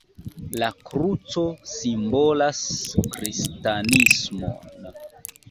La kruco simbolas kristanismon.